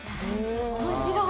面白い！